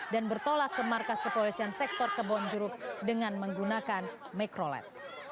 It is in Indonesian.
dan bertolak ke markas kepolisian sektor kebonjuruk dengan menggunakan mikroled